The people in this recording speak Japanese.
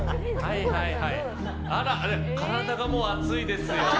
あら、体がもう熱いですよ。